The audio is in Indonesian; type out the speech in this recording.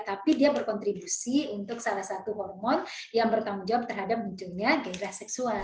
tapi dia berkontribusi untuk salah satu hormon yang bertanggung jawab terhadap munculnya gairah seksual